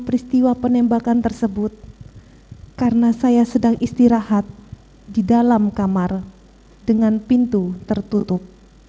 peristiwa penembakan tersebut karena saya sedang istirahat di dalam kamar dengan pintu tertutup